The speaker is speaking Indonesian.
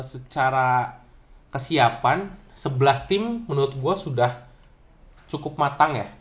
secara kesiapan sebelas tim menurut gue sudah cukup matang ya